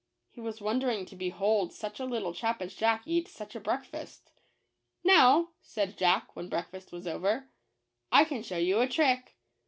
He was wondering to behold such a little chap as Jack eat such a breakfast. "Now," said Jack, when breakfast was over, "I can show you a trick.